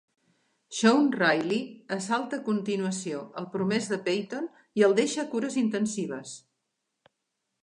Sean Riley assalta a continuació el promès de Peyton i el deixa a cures intensives.